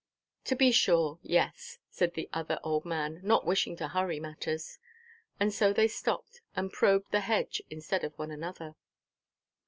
"To be sure, yes," said the other old man, not wishing to hurry matters. And so they stopped and probed the hedge instead of one another.